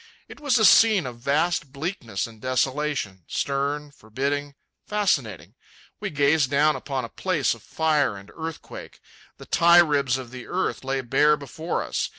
It was a scene of vast bleakness and desolation, stern, forbidding, fascinating. We gazed down upon a place of fire and earthquake. The tie ribs of earth lay bare before us.